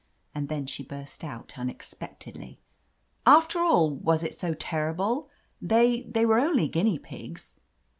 And then she burst out un expectedly. "After all, was it so terrible? They — ^they were only guinea pigs